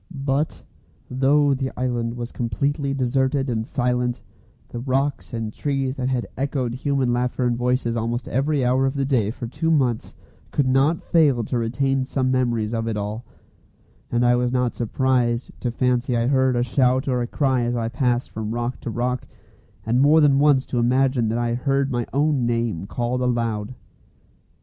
But, though the island was completely deserted and silent, the rocks and trees that had echoed human laughter and voices almost every hour of the day for two months could not fail to retain some memories of it all; and I was not surprised to fancy I heard a shout or a cry as I passed from rock to rock, and more than once to imagine that I heard my own name called aloud.